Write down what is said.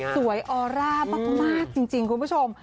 ออร่ามากจริงคุณผู้ชม